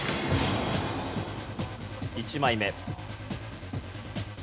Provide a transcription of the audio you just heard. １枚目。